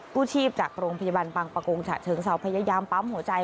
กู้ชีพจากโรงพยาบาลบางประกงฉะเชิงเซาพยายามปั๊มหัวใจ